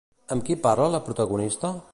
Amb qui parla la protagonista?